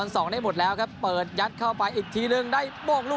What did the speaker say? สองได้หมดแล้วครับเปิดยัดเข้าไปอีกทีหนึ่งได้โบ้งลูก